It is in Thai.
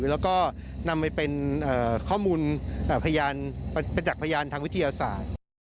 แล้วก็นำไปเป็นข้อมูลไปจากพยานทางวิทยาศาสตร์